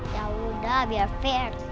ya udah biar fair